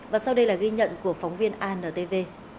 và sau đây là ghi nhận của phóng viên antv